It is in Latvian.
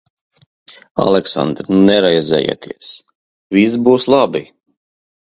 Aleksandr, neraizējieties. Viss būs labi.